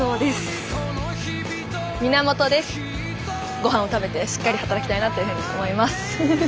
ごはんを食べてしっかり働きたいなっていうふうに思います。